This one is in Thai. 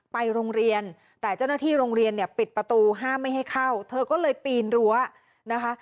ไปโรงเรียนแต่เจ้าหน้าที่โรงเรียนเนี่ยปิดประตูห้ามไม่ให้เข้าเธอก็เลยปีนรั้วนะคะ